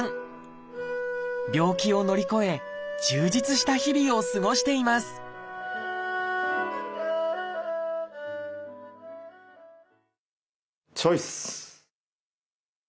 病気を乗り越え充実した日々を過ごしていますチョイス！